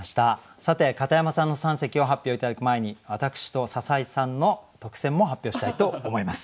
さて片山さんの三席を発表頂く前に私と篠井さんの特選も発表したいと思います。